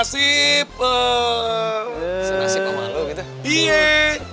senasib sama lo gitu